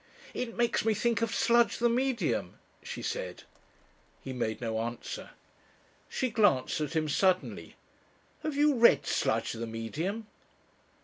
"It makes me think of Sludge the Medium," she said. He made no answer. She glanced at him suddenly. "Have you read Sludge the Medium?"